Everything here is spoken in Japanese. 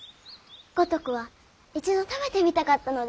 五徳は一度食べてみたかったのです。